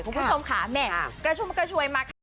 คุณผู้ชมค่ะแหม่กระชุ่มกระชวยมาค่ะ